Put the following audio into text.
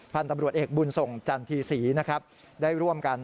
พันธุ์ตำรวจเอกบุญส่งจันทีศรีนะครับได้ร่วมกัน